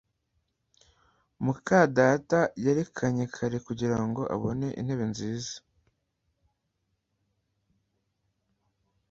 muka data yerekanye kare kugirango abone intebe nziza